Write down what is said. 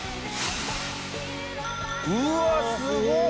うわすご！